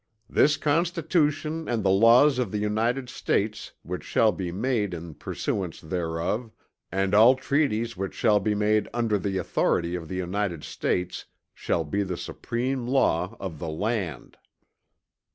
"This Constitution and the Laws of the United States which shall be made in pursuance thereof; and all treaties which shall be made under the Authority of the United States shall be the supreme law of the land."